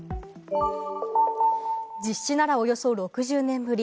実施なら、およそ６０年ぶり。